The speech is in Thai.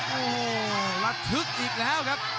โอ้โหระทึกอีกแล้วครับ